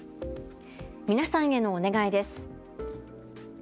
皆さんへのお願いです。